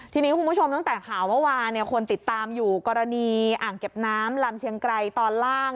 ทีนี้คุณผู้ชมตั้งแต่ข่าวเมื่อวานเนี่ยคนติดตามอยู่กรณีอ่างเก็บน้ำลำเชียงไกรตอนล่าง